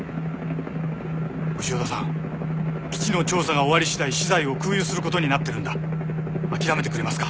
潮田さん基地の調査が終わりしだい資材を空輸することになってるんだあきらめてくれますか